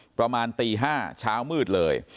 ประมาณตี๕เช้ามืดเลย